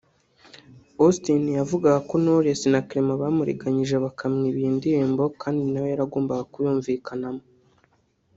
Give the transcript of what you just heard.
Austin we yavugaga ko Knowless na Clement bamuriganyije bakamwiba iyi ndirimbo kandi nawe yaragombaga kumvikanamo